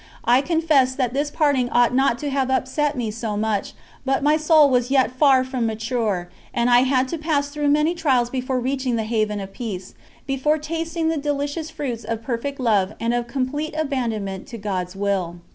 I confess that this parting ought not to have upset me so much, but my soul was yet far from mature, and I had to pass through many trials before reaching the haven of peace, before tasting the delicious fruits of perfect love and of complete abandonment to God's Will.